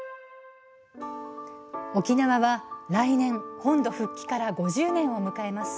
沖縄は、来年本土復帰から５０年を迎えます。